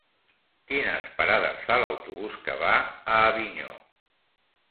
Quines parades fa l'autobús que va a Avinyó?